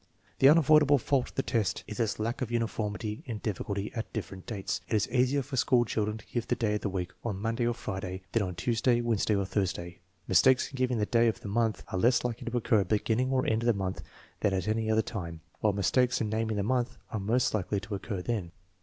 The unavoidable fault of the test is its lack of uniform ity in difficulty at different dates. It is easier for school children to give the day of the week on Monday or Friday than on Tuesday, Wednesday, or Thursday. Mistakes in giving the day of the month are less likely to occur at the beginning or end of the month than at any other time, while mistakes in naming the month are most likely to occur then.